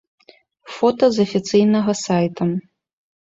Фота з афіцыйнага сайта.